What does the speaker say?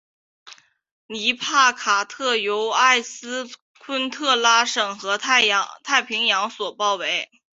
锡帕卡特由埃斯昆特拉省和太平洋所包围。